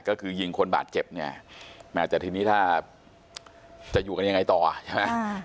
ก็คือยิงคนบาดเจ็บเนี่ยแม่แต่ทีนี้ถ้าจะอยู่กันยังไงต่อใช่ไหม